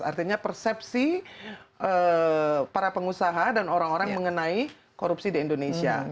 artinya persepsi para pengusaha dan orang orang mengenai korupsi di indonesia